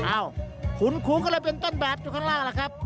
อ้าวคุณครูก็เลยเป็นต้นแบบที่ข้างล่างล่ะครับ